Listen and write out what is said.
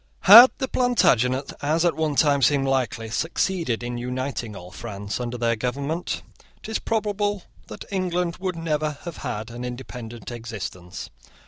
Had the Plantagenets, as at one time seemed likely, succeeded in uniting all France under their government, it is probable that England would never have had an independent existence.